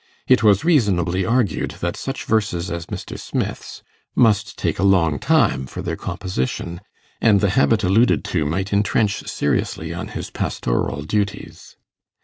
It was reasonably argued that such verses as Mr. Smith's must take a long time for their composition, and the habit alluded to might intrench seriously on his pastoral duties.